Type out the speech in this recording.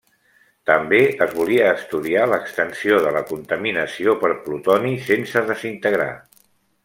També es volia estudiar l'extensió de la contaminació pel plutoni sense desintegrar.